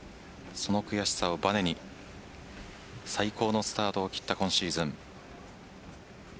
その悔しさをばねに最高のスタートを切った今シーズン。